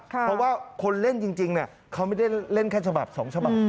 เพราะว่าคนเล่นจริงเขาไม่ได้เล่นแค่ฉบับ๒ฉบับ